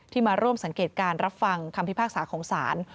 มาร่วมสังเกตการรับฟังคำพิพากษาของศาล